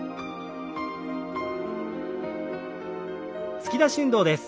突き出し運動です。